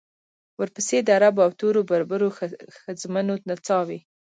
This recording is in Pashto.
ورپسې د عربو او تورو بربرو ښځمنو نڅاوې.